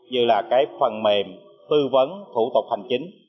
như là cái phần mềm tư vấn thủ tục hành chính